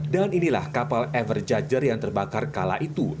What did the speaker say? dan inilah kapal everjugger yang terbakar kala itu